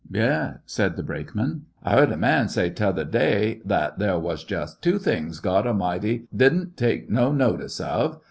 "Yes," said the brakeman. "I heard a man say t' other day that there was just two things God A'mighty did n't take no notice of.